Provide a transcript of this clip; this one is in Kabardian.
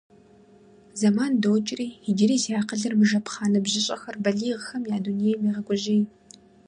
Зэман докӀри, иджыри зи акъылыр мыжэпхъа ныбжьыщӀэр балигъхэм я дунейм егъэгужьей.